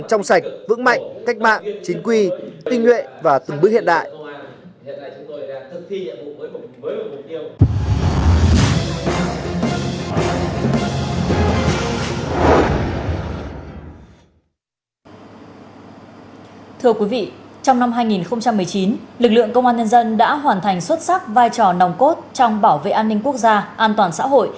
góp phần xây dựng lực lượng công an nhân dân